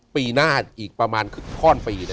ปีหน้าอีกประมาณข้อนปี